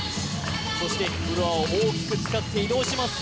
そしてフロアを大きく使って移動します